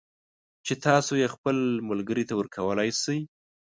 چې تاسو یې خپل ملگري ته ورکولای شئ